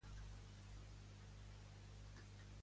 Què es creava per a legitimar l'adoració?